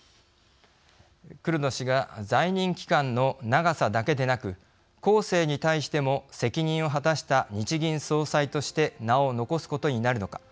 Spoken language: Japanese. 黒田氏が在任期間の長さだけでなく後世に対しても責任を果たした日銀総裁として名を残すことになるのか。